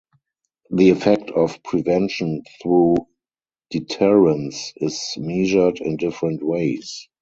The effect of prevention through deterrence is measured in different ways.